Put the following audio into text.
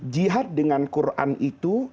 jihad dengan quran itu